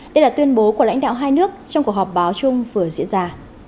đây là tuyên bố của lãnh đạo hai nước trong cuộc họp báo chung vừa diễn ra